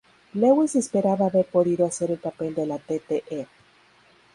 Lewis esperaba haber podido hacer el papel de la "Tte.